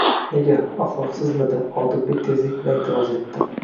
Nega? Axloqsizmidi? Odilbek tezlik bilan e'tiroz etdi: